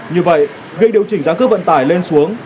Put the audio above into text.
như vậy việc điều chỉnh giá cước vận tải lên xuống